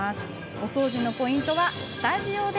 お掃除のポイントはスタジオで。